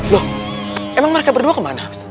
loh emang mereka berdua kemana